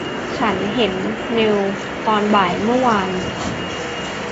ฉันเห็นเนลตอนบ่ายเมื่อวาน